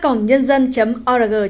còn bây giờ xin chào và hẹn gặp lại